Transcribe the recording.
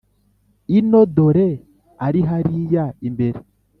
Ino dore ari hariya imbere